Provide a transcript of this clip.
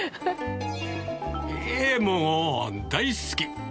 ええ、もう大好き。